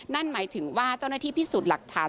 นั่นหมายถึงว่าเจ้าหน้าที่พิสูจน์หลักฐาน